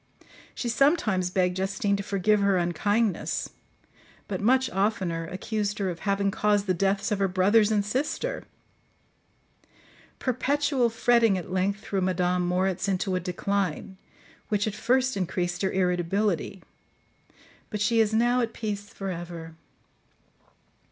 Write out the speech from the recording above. She sometimes begged Justine to forgive her unkindness, but much oftener accused her of having caused the deaths of her brothers and sister. Perpetual fretting at length threw Madame Moritz into a decline, which at first increased her irritability, but she is now at peace for ever.